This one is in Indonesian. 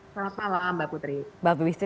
selamat malam mbak putri